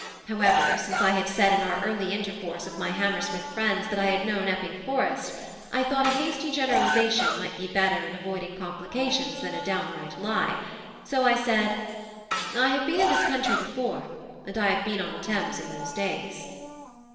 However, since I had said in our early intercourse with my Hammersmith friends that I had known Epping Forest, I thought a hasty generalisation might be better in avoiding complications than a downright lie; so I said "I have been in this country before; and I have been on the Thames in those days."